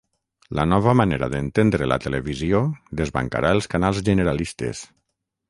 La nova manera d'entendre la televisió desbancarà els canals generalistes.